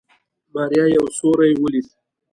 ماريا يو سيوری وليد.